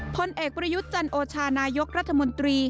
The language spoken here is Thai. ผลเอกประยุจจรโอชารัพยันและนายกรัฐมนตรี